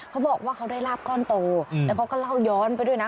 เขาบอกว่าเขาได้ลาบก้อนโตแล้วเขาก็เล่าย้อนไปด้วยนะ